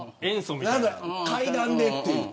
階段でっていう。